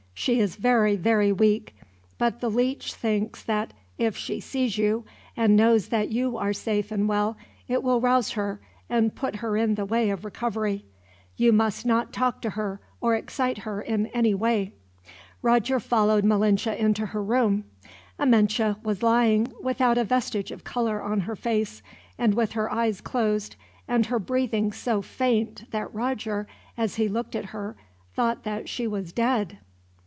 She is very, very weak; but the leech thinks that if she sees you, and knows that you are safe and well, it will rouse her and put her in the way of recovery. You must not talk to her, or excite her in any way." Roger followed Malinche into her room. Amenche was lying, without a vestige of color on her face, and with her eyes closed and her breathing so faint that Roger, as he looked at her, thought that she was dead.